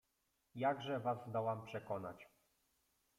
Jakże was zdołam przekonać?